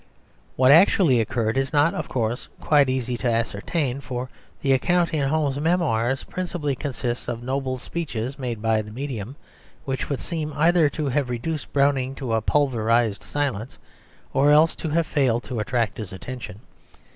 What actually occurred is not, of course, quite easy to ascertain, for the account in Home's Memoirs principally consists of noble speeches made by the medium which would seem either to have reduced Browning to a pulverised silence, or else to have failed to attract his attention.